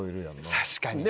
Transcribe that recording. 確かにね。